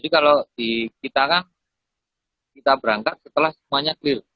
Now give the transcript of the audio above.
kalau kita kan kita berangkat setelah semuanya clear